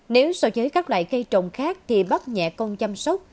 nếu so với các loại cây trồng khác thì bắp nhẹ công chăm sóc